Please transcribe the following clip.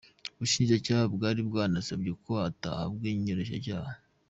Ubushinjacyaha bwari bwanasabye ko atahabwa inyoroshyacyaha.